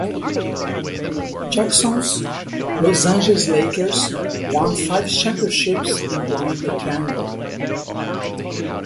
Jackson's Los Angeles Lakers won five championships employing the triangle.